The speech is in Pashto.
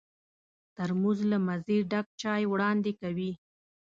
ترموز له مزې ډک چای وړاندې کوي.